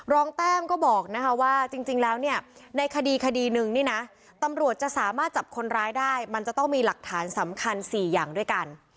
แต้มก็บอกนะคะว่าจริงแล้วเนี่ยในคดีคดีหนึ่งนี่นะตำรวจจะสามารถจับคนร้ายได้มันจะต้องมีหลักฐานสำคัญ๔อย่างด้วยกัน